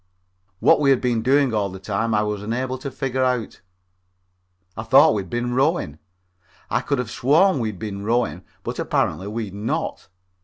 What we had been doing all the time I was unable to figure out. I thought we had been rowing. I could have sworn we had been rowing, but apparently we had not.